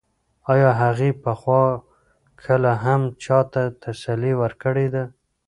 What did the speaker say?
ایا هغې پخوا کله هم چا ته تسلي ورکړې ده؟